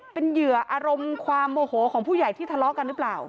เป็นเหยื่ออารมณ์ความโมโหของผู้ใหญ่ที่ทะเลาะกันหรือเปล่า